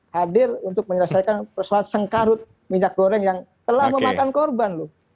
hadir untuk menyelesaikan persoalan sengkarut minyak goreng yang telah memakan korban loh